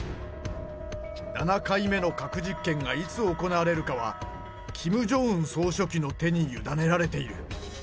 ７回目の核実験がいつ行われるかは、キム・ジョンウン総書記の手に委ねられている。